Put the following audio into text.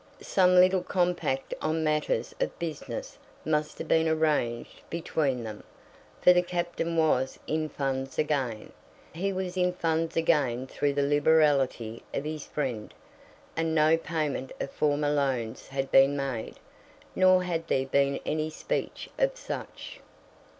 Some little compact on matters of business must have been arranged between them, for the Captain was in funds again. He was in funds again through the liberality of his friend, and no payment of former loans had been made, nor had there been any speech of such.